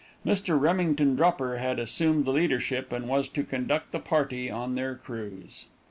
Mr. Remington Dropper had assumed the leadership, and was to conduct the party on their cruise.